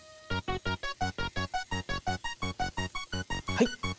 はい。